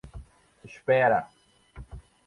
Espera